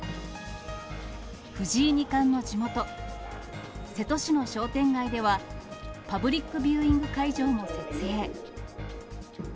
藤井二冠の地元、瀬戸市の商店街では、パブリックビューイング会場も設営。